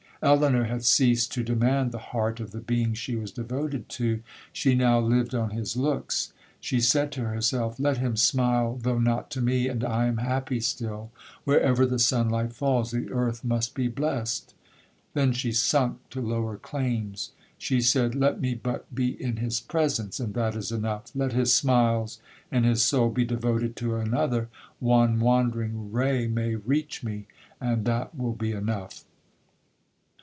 'Elinor had ceased to demand the heart of the being she was devoted to. She now lived on his looks. She said to herself, Let him smile, though not on me, and I am happy still—wherever the sun light falls, the earth must be blessed. Then she sunk to lower claims. She said, Let me but be in his presence, and that is enough—let his smiles and his soul be devoted to another, one wandering ray may reach me, and that will be enough!